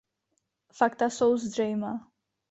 Fakta jsou zřejmá.